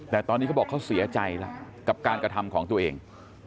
แต่ตอนนี้เขาบอกเขาเสียใจแล้วกับการกระทำของตัวเอง